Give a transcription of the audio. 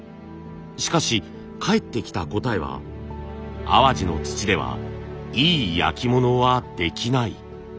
しかし返ってきた答えは「淡路の土ではいい焼き物はできない」。